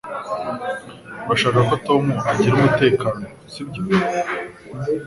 Urashaka ko Tom agira umutekano sibyo